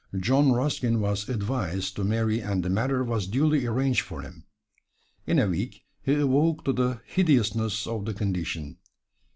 John Ruskin was "advised" to marry and the matter was duly arranged for him. In a week he awoke to the hideousness of the condition.